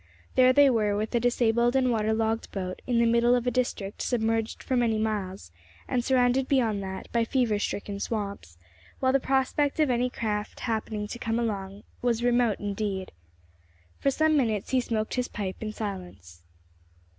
There they were with a disabled and waterlogged boat, in the middle of a district submerged for many miles, and surrounded beyond that by fever stricken swamps, while the prospect of any craft happening to come along was remote indeed. For some minutes he smoked his pipe in silence.